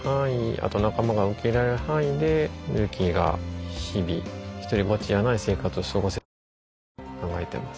あと仲間が受け入れられる範囲でミルキーが日々独りぼっちじゃない生活を過ごせたらいいなと考えてます。